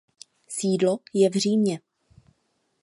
Sídlo je v Římě.